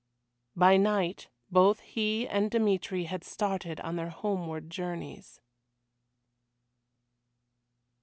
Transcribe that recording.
By night both he and Dmitry had started on their homeward journeys.